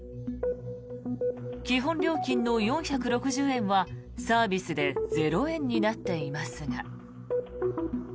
基本料金の４６０円はサービスで０円になっていますが。